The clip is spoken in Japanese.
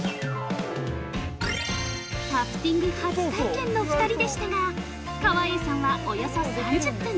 タフティング初体験の２人でしたが、川栄さんは、およそ３０分。